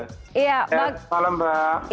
selamat malam mbak